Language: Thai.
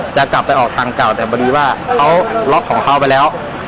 จะกลับไปออกทางเก่าแต่พอดีว่าเขาล็อกของเขาไปแล้ว